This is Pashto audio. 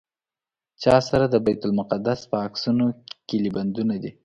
چا سره د بیت المقدس په عکسونو کیلي بندونه دي.